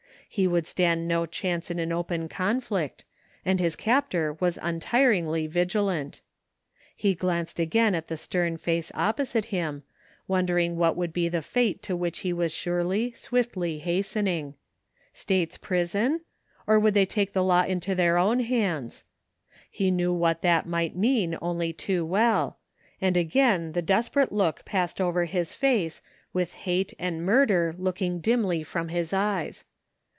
He would stand no chance in an open conflict, and his captor was 18 THE FINDING OF JASPER HOLT untiringly vigilant He glanced again at the stem face opposite him, wondering what would be the fate to whidh he was surely, swiftly hastening. States prison? Or would they take the law into their own hands ? He knew what that might mean only too well, and again the desperate look passed over his face with Hate and Murder looking dimly from his eyes.